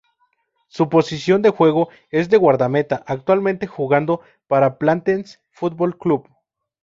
Su posición de juego es de guardameta, actualmente jugando para Platense Fútbol Club.